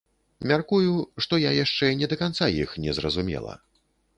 Мяркую, што я яшчэ да канца іх не зразумела.